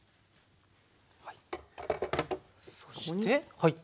そして。